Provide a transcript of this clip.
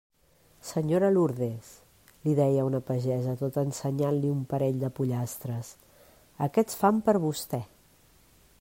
«Senyora Lourdes», li deia una pagesa tot ensenyant-li un parell de pollastres, «aquests fan per vostè».